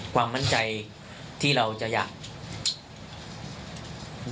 ความมั่นใจที่เราจะอยาก